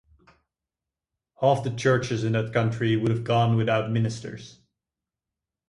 Half the churches in that country would have gone without ministers.